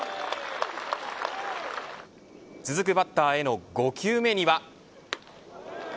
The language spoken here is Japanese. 続くバッターへの５球目には。